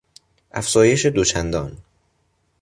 افزایش دو چندان